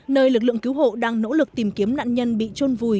nơi lực lượng cứu hộ đang nỗ lực tìm kiếm nạn nhân bị trôn vùi